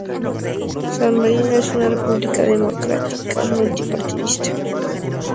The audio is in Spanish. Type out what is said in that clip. San Marino es una república democrática multipartidista.